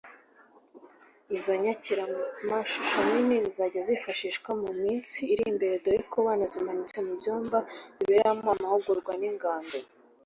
Izo nyakiramashusho nini zizajya zifashishwa mu minsi iri imbere dore ko banazimanitse mu byumba biberamo amahugurwa n’ingando